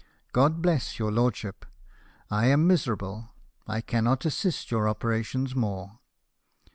God bless your lordship ! I am miserable, I cannot assist your operations more.